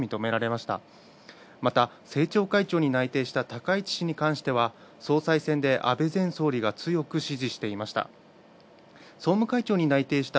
また、政調会長に内定した高市氏に関しては総裁選で安倍前総理が強く支持していました。